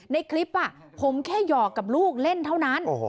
ในคลิปผมแค่หยอกกับลูกเล่นเท่านั้น